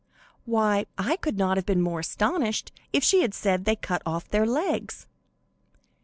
Why, I could not have been more astonished had she said they cut off their legs.